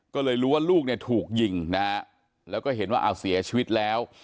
ก็เลยรู้ว่าลูกเนี่ยถูกยิงนะฮะแล้วก็เห็นว่าเอาเสียชีวิตแล้ว